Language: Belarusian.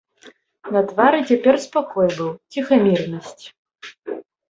На твары цяпер спакой быў, ціхамірнасць.